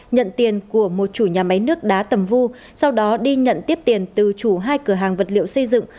nhận tiền của một chủ nhà máy nước đá tầm vu sau đó đi nhận tiếp tiền từ chủ hai cửa hàng vật liệu xây dựng